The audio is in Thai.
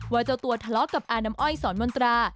เจ้าตัวทะเลาะกับอาน้ำอ้อยสอนมนตรา